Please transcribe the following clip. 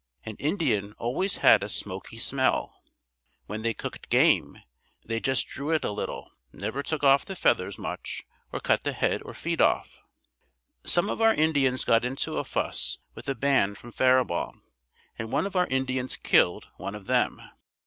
An Indian always had a smoky smell. When they cooked game, they just drew it a little never took off the feathers much or cut the head or feet off. Some of our Indians got into a fuss with a band from Faribault and one of our Indians killed one of them.